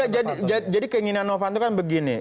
ya jadi keinginan novanto kan begini